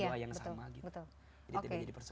doa yang sama gitu